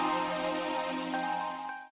saya gak peduli dengan desainmu